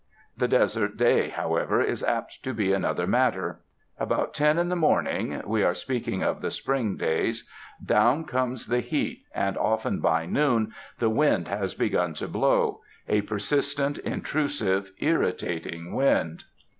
The desert day, however, is apt to be another matter. About ten in the morning — we are speak ing of the spring days — down comes the heat, and often by noon the wind has begun to blow — a per sistent, intrusive, irritating wind.